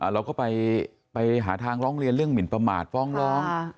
เราก็ไปหาทางร้องเรียนเรื่องหมินประมาทฟ้องร้อง